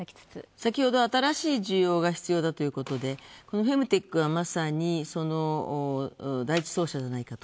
先ほど新しい需要が必要だということでフェムテックは、まさに第１走者じゃないかと。